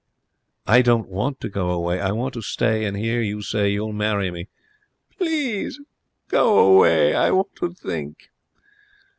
'I don't want to go away. I want to stay and hear you say you'll marry me.' 'Please go away! I want to think.'